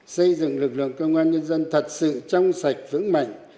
xây dựng lực lượng công an nhân dân thật sự trong sạch vững mạnh